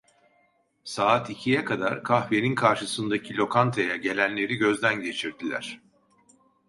Saat ikiye kadar kahvenin karşısındaki lokantaya gelenleri gözden geçirdiler.